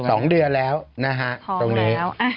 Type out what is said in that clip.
สองเดือนแล้วนะฮะตรงนี้